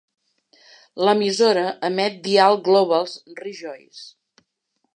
L'emissora emet Dial Global's Rejoice!